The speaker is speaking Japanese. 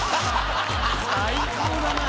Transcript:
最高だな。